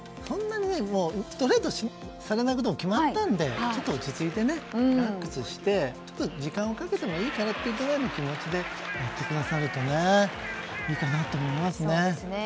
トレードされないことも決まったので落ち着いて、リラックスして時間をかけてもいいかなぐらいの気持ちでやってくださるといいかなと思いますね。